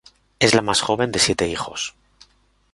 Es la más joven de siete hijos.